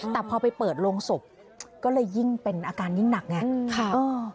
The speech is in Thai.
แต่พอไปเปิดโรงศพก็เลยยิ่งเป็นอาการยิ่งหนักไง